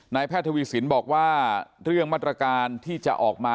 แพทย์ทวีสินบอกว่าเรื่องมาตรการที่จะออกมา